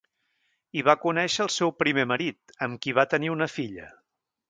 Hi va conèixer el seu primer marit, amb qui va tenir una filla.